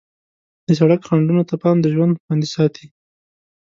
د سړک خنډونو ته پام د ژوند خوندي ساتي.